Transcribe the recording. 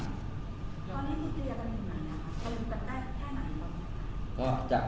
ตอนนี้คุณเจียร์กันอยู่ไหนครับคุณจะได้แค่ไหนบ้างครับ